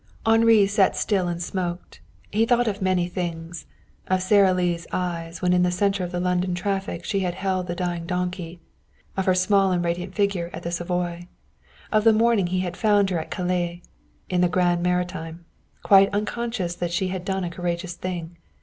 Henri sat still and smoked. He thought of many things of Sara Lee's eyes when in the center of the London traffic she had held the dying donkey; of her small and radiant figure at the Savoy; of the morning he had found her at Calais, in the Gare Maritime, quietly unconscious that she had done a courageous thing.